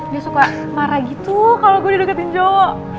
dia suka marah gitu kalo gue di deketin jauh